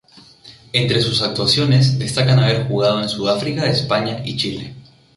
Entre sus actuaciones destacan haber jugado en Sudáfrica, España y Chile.